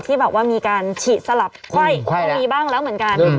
ที่แบบว่ามีการฉีดสลับไขว้ก็มีบ้างแล้วเหมือนกัน